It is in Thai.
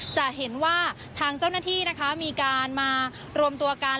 จะเห็นว่าทางเจ้าหน้าที่นะคะมีการมารวมตัวกัน